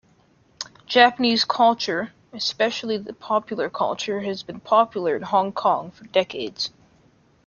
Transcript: Japanese culture, especially the popular culture, has been popular in Hong Kong for decades.